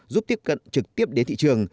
giúp tiếp cận trực tiếp đến thị trường